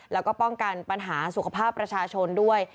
แล้วก็ป้องกันปัญหาสุขภาพประชาชนด้วย